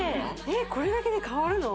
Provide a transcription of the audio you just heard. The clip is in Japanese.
これだけで変わるの？